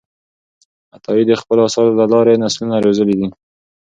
عطایي د خپلو آثارو له لارې نسلونه روزلي دي.